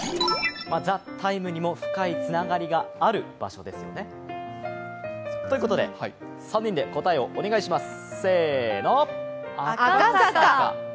「ＴＨＥＴＩＭＥ，」にも深いつながりがある場所ですね。ということで、３人で答えをお願いします。